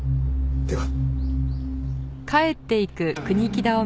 では。